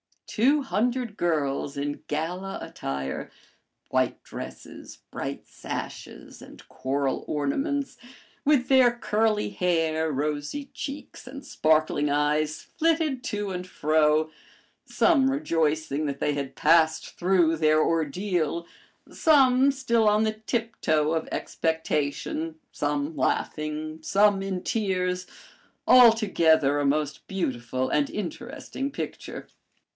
Two hundred girls in gala attire, white dresses, bright sashes, and coral ornaments, with their curly hair, rosy cheeks, and sparkling eyes, flitted to and fro, some rejoicing that they had passed through their ordeal, some still on the tiptoe of expectation, some laughing, some in tears altogether a most beautiful and interesting picture.